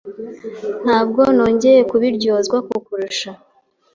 Ntabwo nongeye kubiryozwa kukurusha.